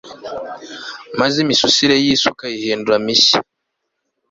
maze imisusire y'isi ukayihindura mishya